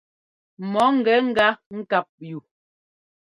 Mɔ ńgɛ gá ŋ́kap yu.